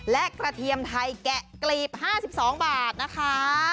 และกระเทียมไทยแกะกลีบ๕๒บาทนะคะ